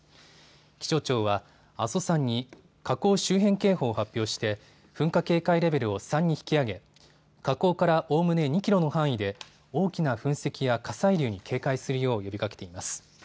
気象庁は阿蘇山に火口周辺警報を発表して噴火警戒レベルを３に引き上げ火口からおおむね２キロの範囲で大きな噴石や火砕流に警戒するよう呼びかけています。